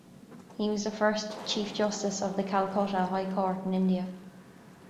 He was the first Chief Justice of the Calcutta High Court in India.